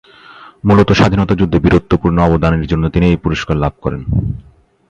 মূলত স্বাধীনতা যুদ্ধে বীরত্বপূর্ণ অবদান এর জন্য তিনি এই পুরস্কার লাভ করেন।